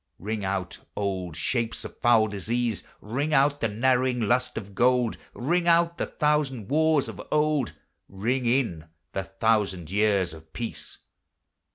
261 Ring out old shapes of foul disease, Ring out the narrowing lust of gold; Ring out the thousand wars of old, Ring in the thousand years of peace.